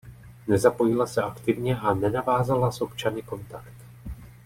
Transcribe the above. Nezapojila se aktivně a nenavázala s občany kontakt.